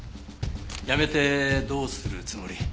辞めてどうするつもり？